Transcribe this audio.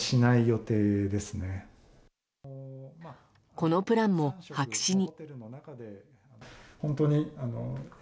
このプランも白紙に。